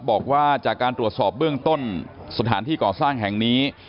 บอกว่าจากการตรวจสอบเบื้องต้นสถานที่ก่อสร้างแห่งนี้